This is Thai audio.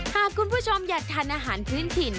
หากคุณผู้ชมอยากทานอาหารพื้นถิ่น